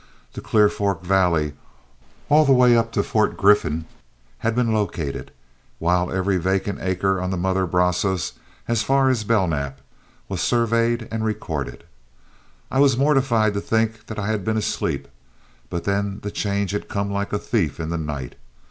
The Clear Fork valley all the way up to Fort Griffin had been located, while every vacant acre on the mother Brazos, as far north as Belknap, was surveyed and recorded. I was mortified to think that I had been asleep, but then the change had come like a thief in the night.